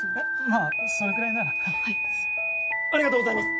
まあそれくらいならはいありがとうございます